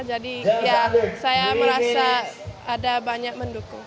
jadi ya saya merasa ada banyak mendukung